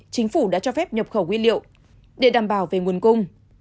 chính phủ đã cho phép nhập khẩu nguyên liệu để đảm bảo về nguồn cung